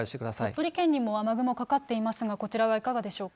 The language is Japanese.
鳥取県にも雨雲かかっていますが、こちらはいかがでしょうか。